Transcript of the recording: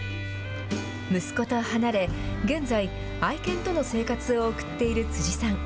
息子と離れ、現在、愛犬との生活を送っている辻さん。